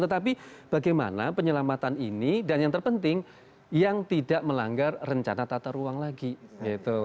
tetapi bagaimana penyelamatan ini dan yang terpenting yang tidak melanggar rencana tata ruang lagi gitu